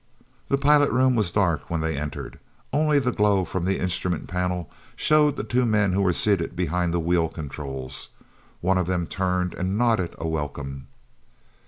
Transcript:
he pilot room was dark when they entered. Only the glow from the instrument panel showed the two men who were seated behind the wheel controls. One of them turned and nodded a welcome.